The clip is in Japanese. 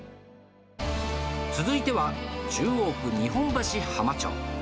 続いては、中央区日本橋浜町。